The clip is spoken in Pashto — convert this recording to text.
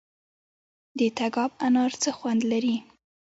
د تګاب انار څه خوند لري؟